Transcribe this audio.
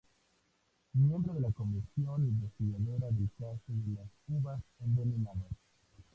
Miembro de la Comisión Investigadora del Caso de las Uvas Envenenadas.